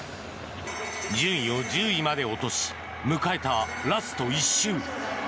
順位を１０位まで落とし迎えたラスト１周。